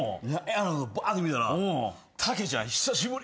ばーんと見たら「タケちゃん久しぶり」